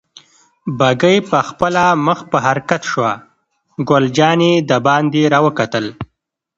بګۍ پخپله مخ په حرکت شوه، ګل جانې دباندې را وکتل.